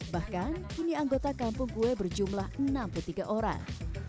bahkan kini anggota kampung kue berjumlah enam puluh tiga orang